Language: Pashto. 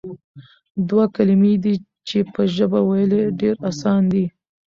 دوه کلمې دي چې په ژبه ويل ئي ډېر آسان دي،